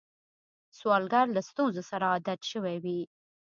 سوالګر له ستونزو سره عادت شوی وي